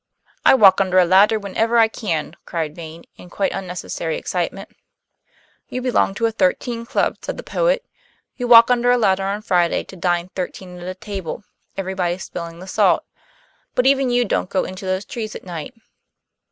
"I walk under a ladder whenever I can," cried Vane, in quite unnecessary excitement. "You belong to a Thirteen Club," said the poet. "You walk under a ladder on Friday to dine thirteen at a table, everybody spilling the salt. But even you don't go into those trees at night."